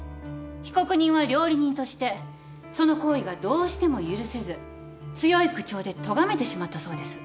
被告人は料理人としてその行為がどうしても許せず強い口調でとがめてしまったそうです。